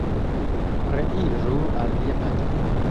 Reiru al via patro!